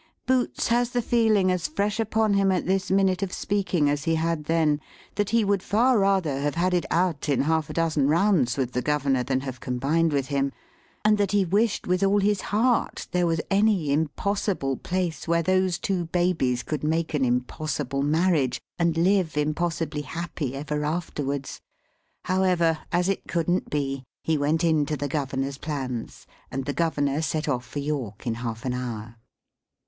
Boots has the feeling as fresh upon him at this minute of speaking as he had then, that he would far rather have had it out in half a dozen rounds with the Governor than have combined with him; and that he wished with all his heart there was any impossible place where those two babies could make an impossible marriage, and live impossibly happy ever afterwards. However, as it couldn't be, he went into the Governor's plans, and the Governor set off for York in half an hour.